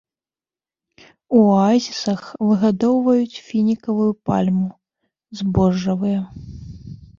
У аазісах выгадоўваюць фінікавую пальму, збожжавыя.